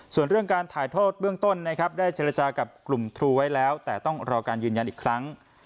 ส่วนเรื่องการถ่ายโทษเบื้องต้นนะครับได้เจรจากับกลุ่มทรูไว้แล้วแต่ต้องรอการยืนยันอีกครั้ง